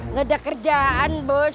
ngeda kerjaan bos